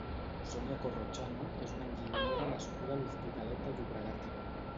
Sonia Corrochano és una enginyera nascuda a l'Hospitalet de Llobregat.